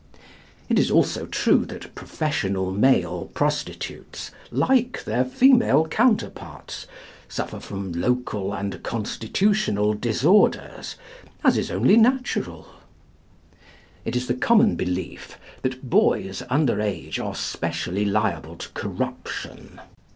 It is also true that professional male prostitutes, like their female counterparts, suffer from local and constitutional disorders, as is only natural. It is the common belief that boys under age are specially liable to corruption.